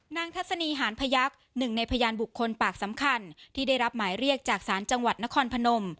ทัศนีหานพยักษ์หนึ่งในพยานบุคคลปากสำคัญที่ได้รับหมายเรียกจากศาลจังหวัดนครพนม